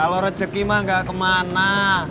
kalau rezeki mah gak kemana